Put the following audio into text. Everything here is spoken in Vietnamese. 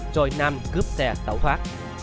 rồi nam cướp xe tẩu thoát